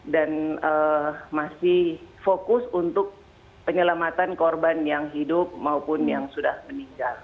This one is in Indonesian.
dan masih fokus untuk penyelamatan korban yang hidup maupun yang sudah meninggal